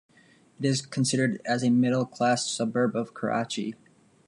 It is considered as a middle class suburb of Karachi.